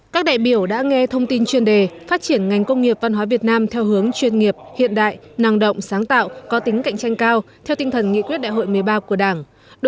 các đại biểu đã nghe thông tin chuyên đề phát triển ngành công nghiệp văn hóa việt nam theo hướng chuyên nghiệp hiện đại năng động sáng tạo có tính cạnh tranh cao theo tinh thần nghị quyết đại hội một mươi ba của đảng